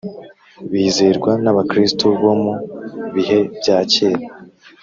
bizerwa n’abakristo bo mu bihe bya kera.